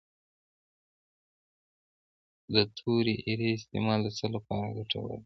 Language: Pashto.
د تورې اریړې استعمال د څه لپاره ګټور دی؟